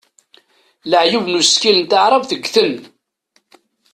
Leɛyub n usekkil n taɛrabt ggten.